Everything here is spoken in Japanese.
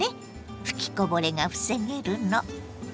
吹きこぼれが防げるの。